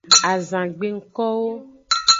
Azangbe ngkowo.